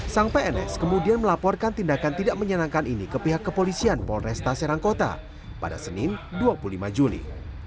sang pns kemudian melaporkan tindakan tidak menyenangkan ini ke pihak kepolisian polresta serangkota pada senin dua puluh lima juni